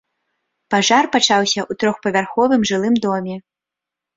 Пажар пачаўся ў трохпавярховым жылым доме.